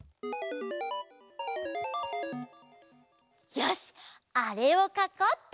よしあれをかこうっと！